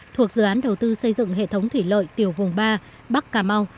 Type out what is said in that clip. thuộc dự án đầu tư xây dựng hệ thống thủy lợi tiểu vùng ba bắc cà mau